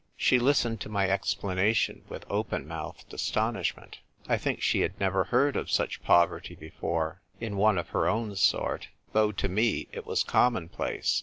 She listened to my explanation with open mouthed astonishment. I think she had never heard of such poverty before — in one of her own sort — though to me it was commonplace.